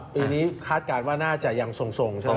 ปีนี้คาดการณ์ว่าน่าจะยังทรงใช่ไหม